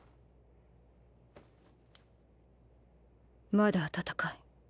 まだ温かい。